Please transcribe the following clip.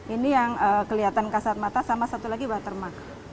ini yang kelihatan kasat mata sama satu lagi watermark